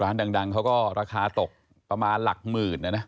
ร้านดังเขาก็ราคาตกประมาณหลักหมื่นนะนะ